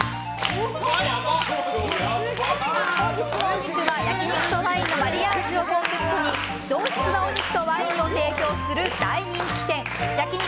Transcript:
本日のお肉は焼き肉とワインのマリアージュをコンセプトに上質なお肉とワインを提供する大人気店焼肉